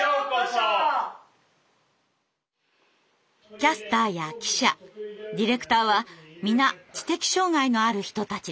キャスターや記者ディレクターは皆知的障害のある人たちです。